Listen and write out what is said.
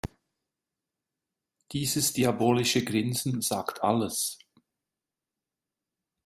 Dieses diabolische Grinsen sagt alles.